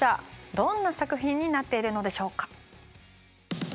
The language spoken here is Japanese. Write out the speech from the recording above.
どんな作品になっているのでしょうか。